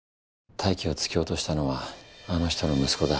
泰生を突き落としたのはあの人の息子だ。